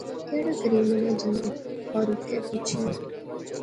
کیڑا کریمے نا جنگت؟ فاروقیں پچھیا